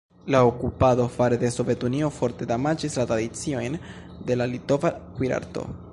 La okupado fare de Sovetunio forte damaĝis la tradiciojn de la litova kuirarto.